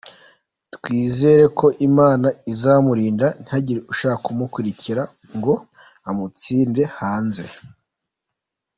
Twizere ko Imana izamurinda ntihagire ushaka kumukurikira ngo amutsinde hanze.